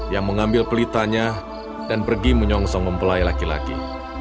yang mengambil pelitanya dan pergi menyongsong mempelai laki laki